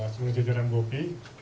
seluruh jajaran bopi